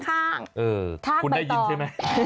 คุณได้ยินใช่ไหม